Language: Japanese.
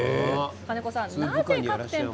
金子さん、なぜ各店舗